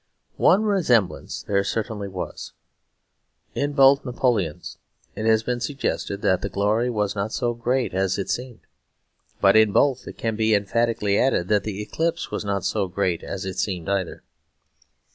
One resemblance there certainly was. In both Napoleons it has been suggested that the glory was not so great as it seemed; but in both it can be emphatically added that the eclipse was not so great as it seemed either.